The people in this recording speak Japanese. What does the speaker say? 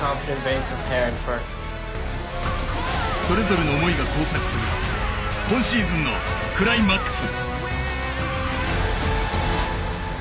それぞれの思いが交錯する今シーズンのクライマックス。